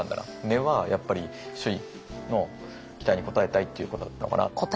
根はやっぱり周囲の期待に応えたいっていうことだったのかなと。